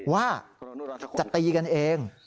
ว่าจะตีกันเอง